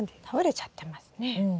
倒れちゃってますね。